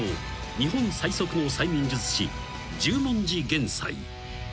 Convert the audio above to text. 日本最速の催眠術師十文字幻斎］